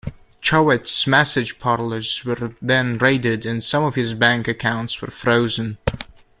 Chuwit's massage parlours were then raided and some of his bank accounts were frozen.